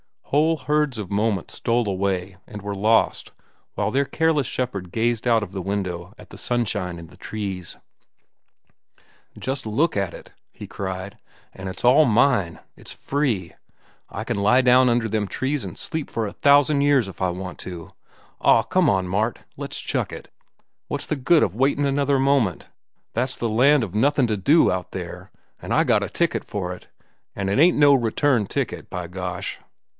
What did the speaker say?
Whole herds of moments stole away and were lost while their careless shepherd gazed out of the window at the sunshine and the trees. "Just look at it!" he cried. "An' it's all mine! It's free. I can lie down under them trees an' sleep for a thousan' years if I want to. Aw, come on, Mart, let's chuck it. What's the good of waitin' another moment. That's the land of nothin' to do out there, an' I got a ticket for it—an' it ain't no return ticket, b'gosh!"